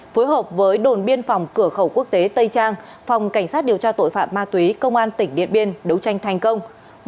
phối hợp với đồn biên phòng cửa khẩu quốc tế tây trang phòng cảnh sát điều tra tội phạm ma túy công an tỉnh điện biên đấu tranh thành công